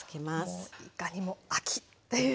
もういかにも秋っていう。